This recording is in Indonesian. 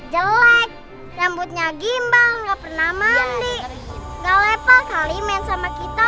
jauh jelek rambutnya gimbal gak pernah mandi gak lepal kali main sama kita